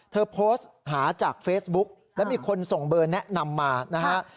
เธอโพสต์หาจากเฟซบุ๊กแล้วมีคนส่งเบอร์แนะนำมานะฮะ